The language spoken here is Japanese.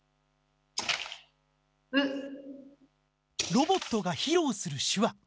ロボットが披露する手話。